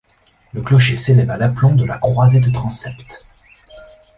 Le clocher s'élève à l'aplomb de la croisée de transept.